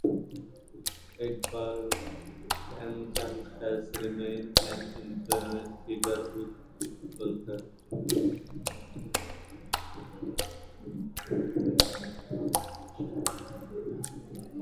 Akbar Tandjung has remained an influential figure within Golkar.